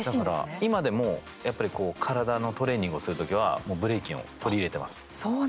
今でも体のトレーニングをする時はブレイキンを取り入れています。